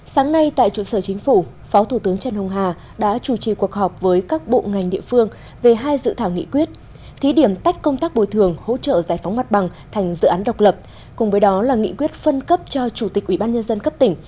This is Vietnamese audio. sáng nay tại trụ sở chính phủ phó thủ tướng trần hùng hà đã chủ trì cuộc họp với các bộ ngành địa phương về hai dự thảo nghị quyết thí điểm tách công tác bồi thường hỗ trợ giải phóng mặt bằng thành dự án độc lập cùng với đó là nghị quyết phân cấp cho chủ tịch ủy ban nhân dân cấp tỉnh